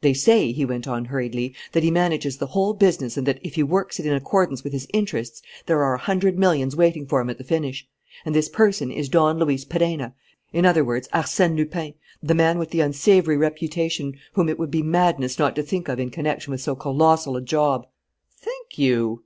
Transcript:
"They say," he went on hurriedly, "that he manages the whole business and that, if he works it in accordance with his interests, there are a hundred millions waiting for him at the finish. And this person is Don Luis Perenna, in other words, Arsène Lupin, the man with the unsavoury reputation whom it would be madness not to think of in connection with so colossal a job." "Thank you!"